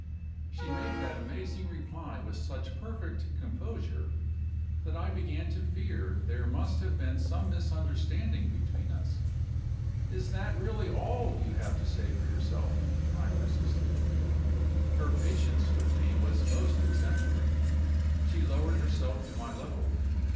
She made that amazing reply with such perfect composure, that I began to fear there must have been some misunderstanding between us. "Is that really all you have to say for yourself?" I persisted. Her patience with me was most exemplary. She lowered herself to my level.